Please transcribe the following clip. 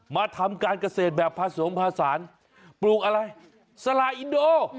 มาทำการเกษตรแบบผสมผสานปลูกอะไรสละอินโด